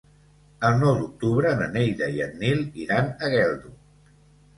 El nou d'octubre na Neida i en Nil iran a Geldo.